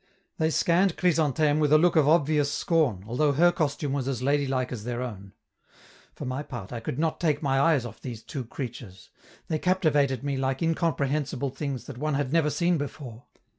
They scanned Chrysantheme with a look of obvious scorn, although her costume was as ladylike as their own. For my part, I could not take my eyes off these two creatures; they captivated me like incomprehensible things that one never had seen before.